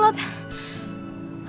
maaf ya telat